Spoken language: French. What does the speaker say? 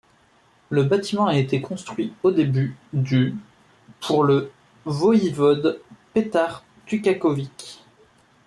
Le bâtiment a été construit au début du pour le voïvode Petar Tucaković.